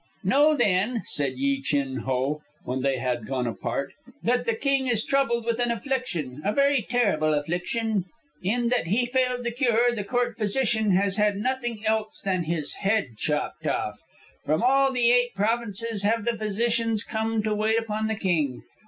"Know then," said Yi Chin Ho, when they had gone apart, "that the King is troubled with an affliction, a very terrible affliction. In that he failed to cure, the Court physician has had nothing else than his head chopped off. From all the Eight Provinces have the physicians come to wait upon the King.